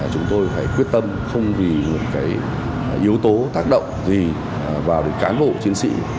chúng tôi phải quyết tâm không vì những yếu tố tác động gì vào được cán bộ chiến sĩ